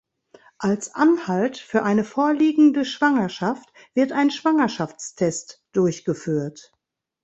Als Anhalt für eine vorliegende Schwangerschaft wird ein Schwangerschaftstest durchgeführt.